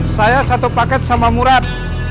saya satu paket sama murad